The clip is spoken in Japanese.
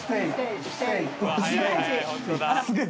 すげえ。